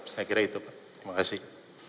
saya kira itu pak terima kasih